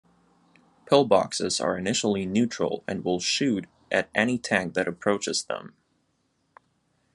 Pillboxes are initially neutral and will shoot at any tank that approaches them.